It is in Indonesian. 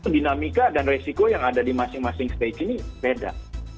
dinamika dan resiko yang ada di masing masing stage ini beda